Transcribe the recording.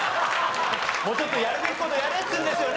もうちょっとやるべき事やれっつうんですよね